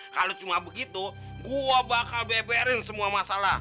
kalau cuma begitu gue bakal beberin semua masalah